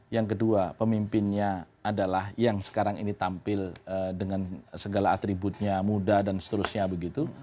yang kedua pemimpinnya adalah yang sekarang ini tampil dengan segala atributnya muda dan seterusnya begitu